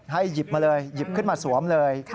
หยิบมาเลยหยิบขึ้นมาสวมเลย